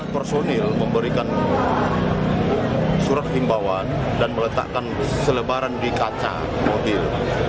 pesan yang diberikan surat penertiban dan meletakkan selebaran di kaca mobil